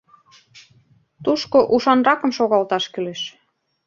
Тушко ушанракым шогалташ кӱлеш.